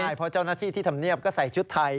ใช่เพราะเจ้าหน้าที่ที่ทำเนียบก็ใส่ชุดไทย